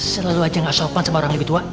selalu aja gak sopan sama orang lebih tua